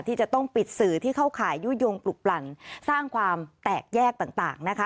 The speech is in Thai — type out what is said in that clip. ที่จะต้องปิดสื่อที่เข้าข่ายยุโยงปลุกปลั่นสร้างความแตกแยกต่างนะคะ